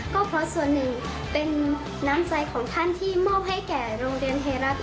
ก็เพราะส่วนหนึ่งเป็นน้ำใจของท่านที่มอบให้แก่โรงเรียนไทยรัฐ